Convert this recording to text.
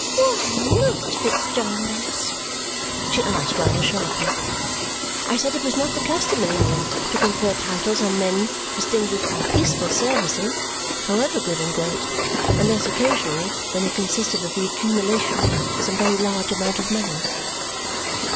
"Why not, Fitz Jarndyce?" she asked rather sharply. I said it was not the custom in England to confer titles on men distinguished by peaceful services, however good and great, unless occasionally when they consisted of the accumulation of some very large amount of money.